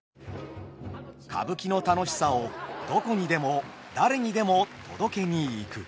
歌舞伎の楽しさをどこにでも誰にでも届けに行く。